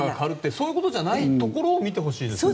そういうことじゃないところを見てほしいですね。